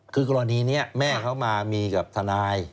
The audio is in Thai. คือกรณีนี้แม่เขามามีกับทนาย